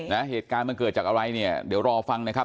เหตุการณ์มันเกิดจากอะไรเนี่ยเดี๋ยวรอฟังนะครับ